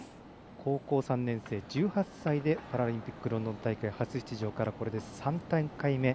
高校３年生、１８歳でパラリンピックロンドン大会初出場からこれで３大会目。